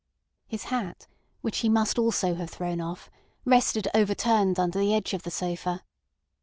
His hat, which he must also have thrown off, rested overturned under the edge of the sofa.